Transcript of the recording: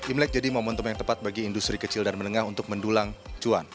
imlek jadi momentum yang tepat bagi industri kecil dan menengah untuk mendulang cuan